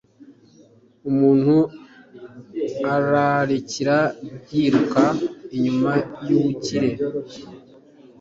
umuntu ararikira yiruka inyuma y'ubukire